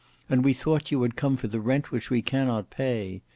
And we thought you had come for the rent which we cannot pay.